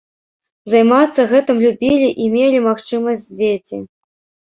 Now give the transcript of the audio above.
Займацца гэтым любілі і мелі магчымасць дзеці.